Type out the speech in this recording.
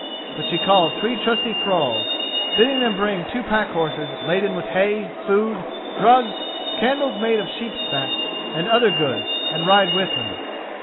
But she called three trusty thralls, bidding them bring two pack horses laden with hay, food, drugs, candles made of sheep's fat, and other goods, and ride with her.